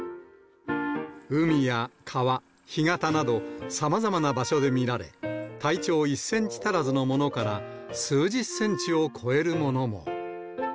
海や川、干潟など、さまざまな場所で見られ、体長１センチ足らずのものから、数十センチを超えるものも。